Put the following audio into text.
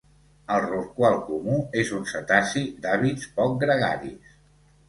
El rorqual comú és un cetaci d'hàbits poc gregaris.